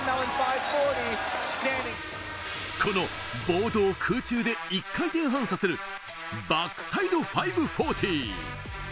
ボードを空中で１回転半させるバックサイド５４０。